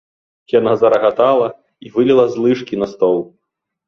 Яна зарагатала і выліла з лыжкі на стол.